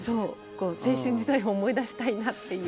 青春時代を思い出したいなっていう。